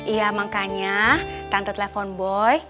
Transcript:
iya makanya tante telepon boy